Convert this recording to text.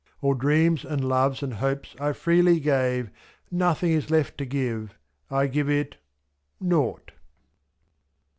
/*^.A11 dreams and loves and hopes I freely gave. Nothing is left to give — I give it — nought